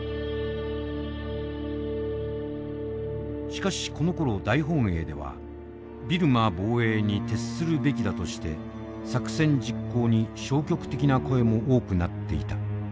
しかしこのころ大本営ではビルマ防衛に徹するべきだとして作戦実行に消極的な声も多くなっていた。